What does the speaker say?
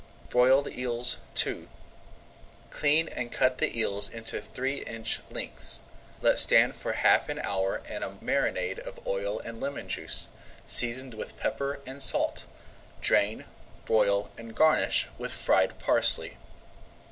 BROILED EELS II Clean and cut the eels into three inch lengths. Let stand for half an hour in a marinade of oil and lemon juice, seasoned with pepper and salt. Drain, broil, and garnish with fried parsley.